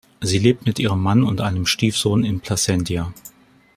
Sie lebt mit ihrem Mann und einem Stiefsohn in Placentia.